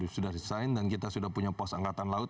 sudah desain dan kita sudah punya pos angkatan laut